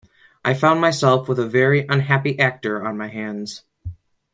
I found myself with a very unhappy actor on my hands.